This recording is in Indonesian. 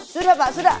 sudah pak sudah